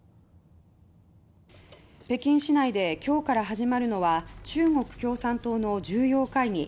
北京市内で今日から始まるのは中国共産党の重要会議